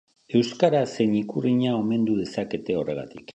Euskara zein ikurriña omendu dezakete horregatik.